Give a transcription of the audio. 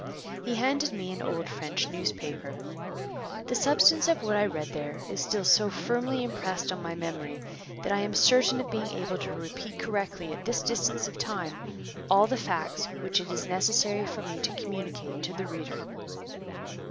He handed me an old French newspaper. The substance of what I read there is still so firmly impressed on my memory that I am certain of being able to repeat correctly at this distance of time all the facts which it is necessary for me to communicate to the reader.